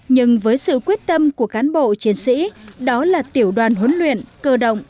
nhưng với sự quyết tâm của cán bộ chiến sĩ đó là tiểu đoàn huấn luyện cơ động